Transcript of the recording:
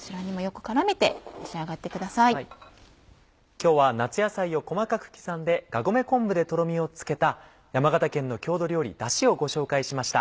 今日は夏野菜を細かく刻んでがごめ昆布でとろみをつけた山形県の郷土料理だしをご紹介しました。